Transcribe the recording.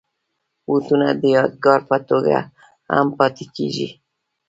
بوټونه د یادګار په توګه هم پاتې کېږي.